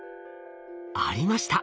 ありました。